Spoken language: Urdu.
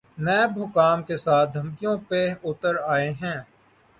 نیب حکام کے ساتھ دھمکیوں پہ اتر آئے ہیں۔